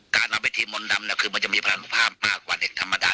การเอาไปทีมมนต์ดำเนี่ยคือมันจะมีพลังนุภาพมากกว่าเด็กธรรมดา